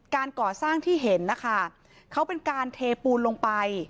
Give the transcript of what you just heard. การก่อสร้างที่เห็นนะคะเขาเป็นการเทปูนลงไป